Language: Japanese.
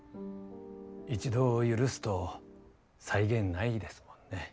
一度許すと際限ないですもんね。